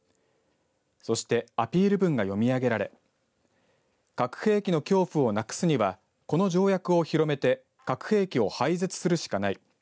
そしてアピール文が読み上げられ核兵器の恐怖をなくすにはこの条約を広めて核兵器を廃絶するしかない。